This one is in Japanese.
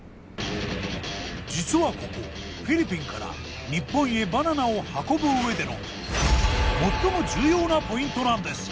実はここフィリピンから日本へバナナを運ぶ上での最も重要なポイントなんです。